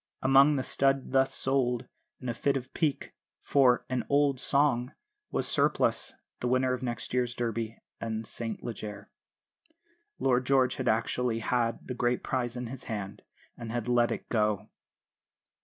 Among the stud thus sold, in a fit of pique, for "an old song" was Surplice, the winner of the next year's Derby and St Leger. Lord George had actually had the great prize in his hand and had let it go!